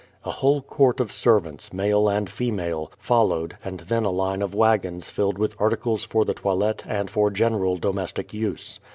A whole court of servants, male and female, followed and then a line of wagons filled with articles for the toilet and for general domestic use.